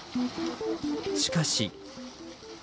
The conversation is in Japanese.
しかし。